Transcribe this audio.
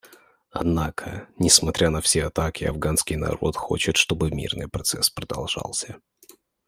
Однако, несмотря на все атаки, афганский народ хочет, чтобы мирный процесс продолжался.